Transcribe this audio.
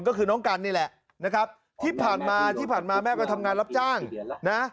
ก็คือน้องกันนี่แหละนะครับที่ผ่านมาที่ผ่านมาแม่ก็ทำงานรับจ้างนะ